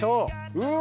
うわ。